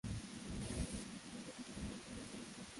joto hili linapanda mara kwa mara